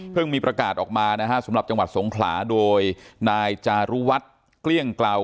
มีประกาศออกมานะฮะสำหรับจังหวัดสงขลาโดยนายจารุวัฒน์เกลี้ยงกล่าว